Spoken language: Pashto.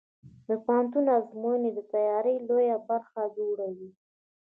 د پوهنتون ازموینې د تیاری لویه برخه جوړوي.